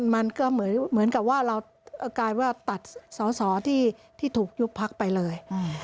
มันก็เหมือนกับว่าเรากลายว่าตัดสอสอที่ถูกยุบพักไปเลย